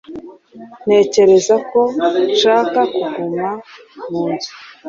Ntekereza ko nshaka kuguma mu nzu.